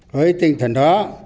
với tinh thần đó